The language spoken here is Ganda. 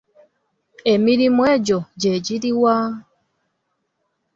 Emirimu egyo gye giri wa?